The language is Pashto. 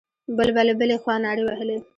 بل به له بلې خوا نارې وهلې.